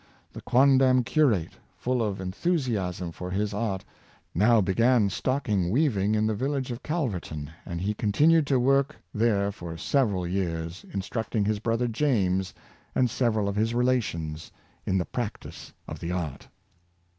The quondam curate, full of enthusiasm for his art, now began stocking weaving in the village of Calverton, and he continued to work there for several years, instructing his brother James and several of his relations in the practice of the art.